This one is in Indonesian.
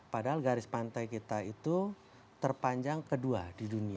padahal garis pantai kita itu terpanjang kedua di dunia